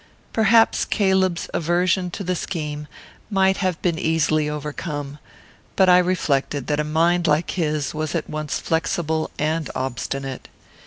Perhaps Caleb's aversion to the scheme might have been easily overcome; but I reflected that a mind like his was at once flexible and obstinate.